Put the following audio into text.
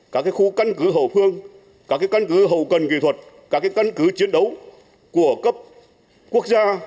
các khu căn cứ hậu phương các căn cứ hậu cần kỹ thuật các căn cứ chiến đấu của cấp quốc gia